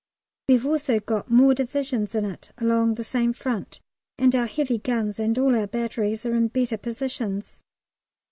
We have also got more Divisions in it along the same front, and our heavy guns and all our batteries in better positions.